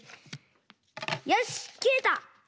よしきれた！